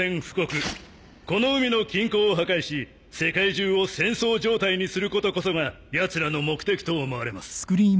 この海の均衡を破壊し世界中を戦争状態にすることこそがやつらの目的と思われます。